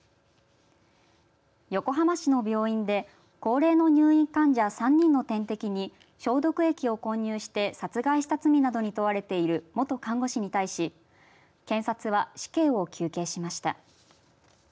横浜市の病院で高齢の入院患者３人の点滴に消毒液を混入して殺害した罪などにとわれている元看護師に対し検察は死刑を求刑しました。